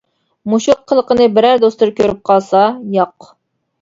مۇشۇ قىلىقىنى بىرەر دوستلىرى كۆرۈپ قالسا. ياق!